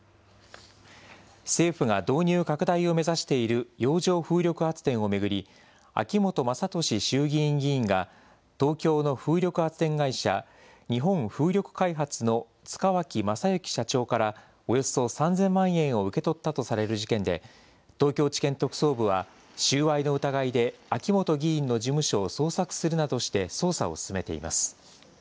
政府が導入拡大を目指している洋上風力発電を巡り、秋本真利衆議院議員が、東京の風力発電会社、日本風力開発の塚脇正幸社長から、およそ３０００万円を受け取ったとされる事件で、東京地検特捜部は、収賄の疑いで、秋本議員の事務所を捜索するなどして捜査を進めています。